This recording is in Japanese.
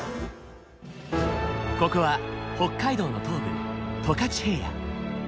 ここは北海道の東部十勝平野。